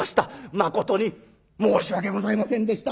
誠に申し訳ございませんでした」。